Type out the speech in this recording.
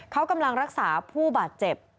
เขากำลังรักษาผู้บาดเจ็บ